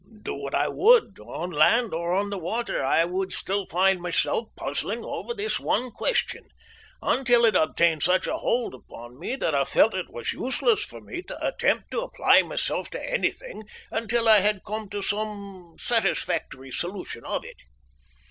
Do what I would, on land or on the water, I would still find myself puzzling over this one question, until it obtained such a hold upon me that I felt it was useless for me to attempt to apply myself to anything until I had come to some satisfactory solution of it.